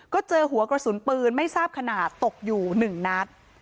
ก็เจอหัวกระสุนปืนไม่ทราบขนาดตกอยู่๑นัด